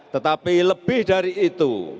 tetapi lebih dari itu